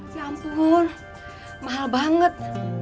ya ampun mahal banget